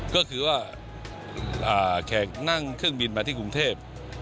ก็คือว่าแขกนั่งเครื่องบินมาที่กรุงเทพ